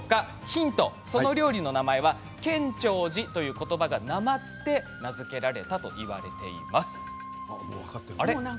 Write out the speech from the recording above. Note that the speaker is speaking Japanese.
ヒント、その料理の名前は建長寺ということばがなまって名付けられたといわれています。